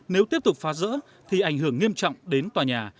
nếu tiếp tục phá rỡ thì ảnh hưởng nghiêm trọng đến tòa nhà